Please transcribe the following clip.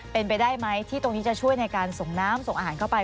เป็นไปได้ไหมที่ตรงนี้จะช่วยในการส่งน้ำส่งอาหารเข้าไป